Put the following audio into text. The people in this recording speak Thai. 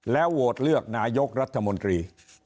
โหวตเลือกนายกรัฐมนตรี